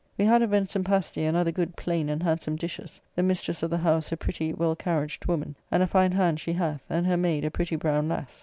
We had a venison pasty, and other good plain and handsome dishes; the mistress of the house a pretty, well carriaged woman, and a fine hand she hath; and her maid a pretty brown lass.